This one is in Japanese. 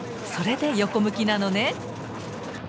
それで横向きなのね！